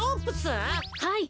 はい。